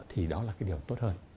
thì đó là cái điều tốt hơn